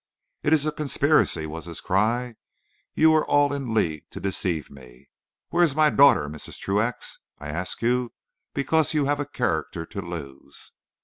"'It is a conspiracy!' was his cry. 'You are all in league to deceive me. Where is my daughter, Mrs. Truax? I ask you because you have a character to lose.'